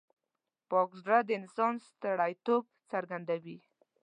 پاک زړه د انسان سترتوب څرګندوي.